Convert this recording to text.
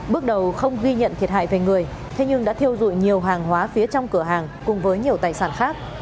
bước đầu không ghi nhận thiệt hại về người thế nhưng đã thiêu dụi nhiều hàng hóa phía trong cửa hàng cùng với nhiều tài sản khác